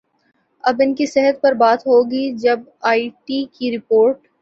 اب ان کی صحت پر بات ہوگی جے آئی ٹی کی رپورٹ